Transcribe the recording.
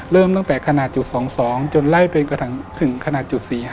เริ่มตั้งแต่ขนาด๐๒๒จนไล่ถึงขนาด๐๔๕